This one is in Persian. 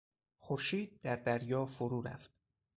خورشید در دریا فرو رفت.